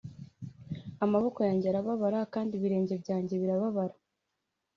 amaboko yanjye arababara kandi ibirenge byanjye birababara;